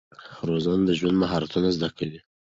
روزنه د ژوند مهارتونه زده کوي.